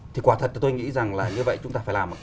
thì quả thật là tôi nghĩ rằng là như vậy chúng ta phải làm